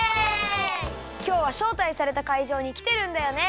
きょうはしょうたいされたかいじょうにきてるんだよね。